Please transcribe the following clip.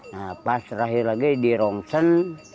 nah pas terakhir lagi di rongsen